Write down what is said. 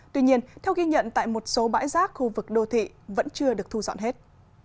tuy nhiên theo ghi nhận tại một số bãi rác khu vực đô thị vẫn chưa được thu dọn hết